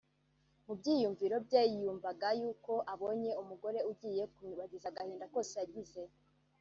mu byiyumviro bye yumvaga y’uko abonye umugore ugiye kumwibagiza agahinda kose yagize